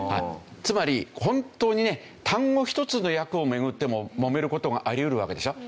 つまり本当にね単語一つの訳を巡ってももめる事があり得るわけでしょ？